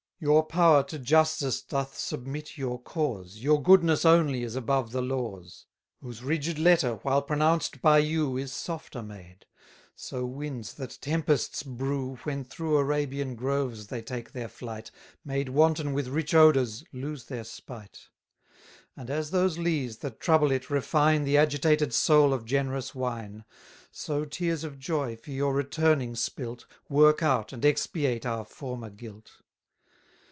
Your power to justice doth submit your cause, Your goodness only is above the laws; Whose rigid letter, while pronounced by you, Is softer made. So winds that tempests brew, When through Arabian groves they take their flight, 270 Made wanton with rich odours, lose their spite. And as those lees, that trouble it, refine The agitated soul of generous wine; So tears of joy, for your returning spilt, Work out, and expiate our former guilt.